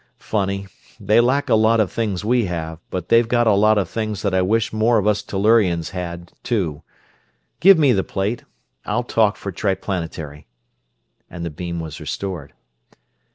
Funny they lack a lot of things we have, but they've got a lot of things that I wish more of us Tellurians had too. Give me the plate I'll talk for Triplanetary," and the beam was restored.